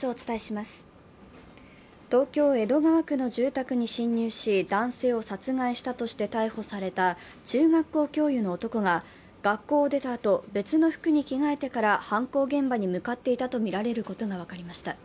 東京・江戸川区の住宅に侵入し男性を殺害したとして逮捕された中学校教諭の男が学校を出たあと別の服に着替えてから犯行現場に向かっていたとみられることが分かりました。